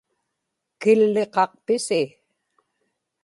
killiqaqpisi